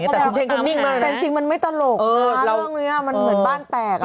แต่เพลงคุณนิ่งมากแต่จริงมันไม่ตลกนะคะเรื่องนี้มันเหมือนบ้านแตกอ่ะ